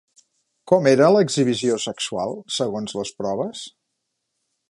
Com era l'exhibició sexual segons les proves?